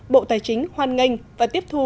bộ tài chính hoan nghênh và tiếp thu